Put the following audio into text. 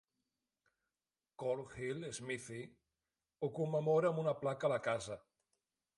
Courthill Smithy ho commemora amb una placa a la casa.